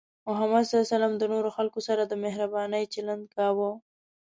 محمد صلى الله عليه وسلم د نورو خلکو سره د مهربانۍ چلند کاوه.